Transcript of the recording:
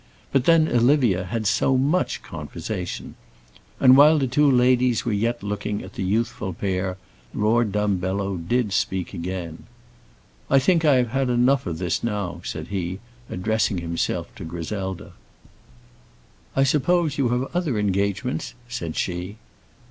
But, then, Olivia had so much conversation. And while the two ladies were yet looking at the youthful pair, Lord Dumbello did speak again. "I think I have had enough of this now," said he, addressing himself to Griselda. "I suppose you have other engagements," said she.